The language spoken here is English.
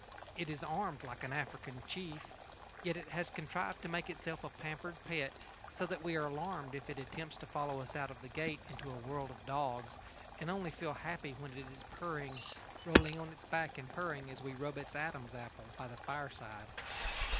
It is armed like an African chief. Yet it has contrived to make itself a pampered pet, so that we are alarmed if it attempts to follow us out of the gate into a world of dogs, and only feel happy when it is purring rolling on its back and purring as we rub its Adam's apple by the fireside.